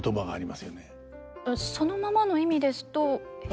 そのままの意味ですと下手な。